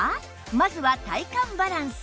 まずは体幹バランス